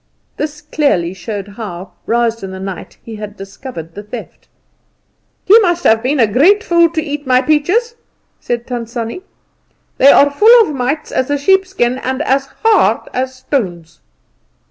This clearly showed how, roused in the night, he had discovered the theft. "He must have been a great fool to eat my peaches," said Tant Sannie. "They are full of mites as a sheepskin, and as hard as stones."